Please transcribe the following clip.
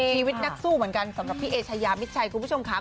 ชีวิตนักสู้เหมือนกันสำหรับพี่เอชายามิดชัยคุณผู้ชมค่ะ